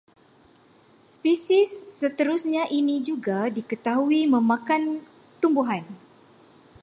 Spesies seterusnya ini juga diketahui memakan tumbuhan